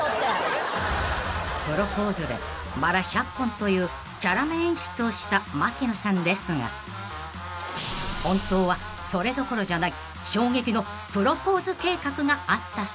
［プロポーズでバラ１００本というチャラめ演出をした槙野さんですが本当はそれどころじゃない衝撃のプロポーズ計画があったそうで］